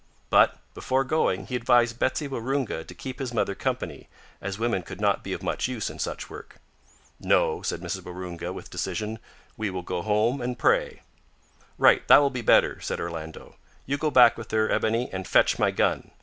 But, before going, he advised Betsy Waroonga to keep his mother company, as women could not be of much use in such work. "No," said Mrs Waroonga, with decision; "we will go home an' pray." "Right, that will be better," said Orlando. "You go back with her, Ebony, and fetch my gun.